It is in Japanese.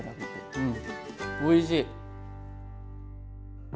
うんおいしい！